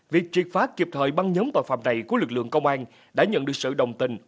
việc triệt phá kịp thời băng nhóm tội phạm này của lực lượng công an đã nhận được sự đồng tình